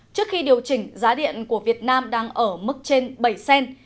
trước khi điều chỉnh giá điện của việt nam đang ở mức trên bảy cent